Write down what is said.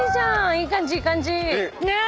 いい感じいい感じ。